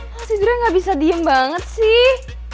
kamu tidurnya gak bisa diem banget sih